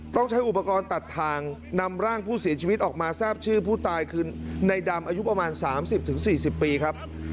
ต้องใช้อุปกรณ์ตัดทางนำร่างผู้เสียชีวิตออกมาทราบชื่อผู้ตายคือในดำอายุประมาณ๓๐๔๐ปีครับ